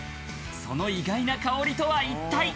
その意外な香りとは一体？